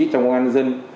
trong công an dân